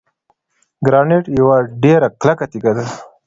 ګرانیټ یوه ډیره کلکه تیږه ده.